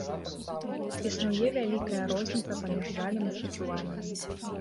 Існуе вялікая розніца паміж жалем і спачуваннем.